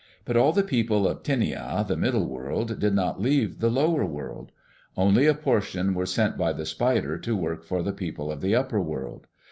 But all the people of Tinia, the middle world, did not leave the lower world. Only a portion were sent by the Spider to work for the people of the upper world.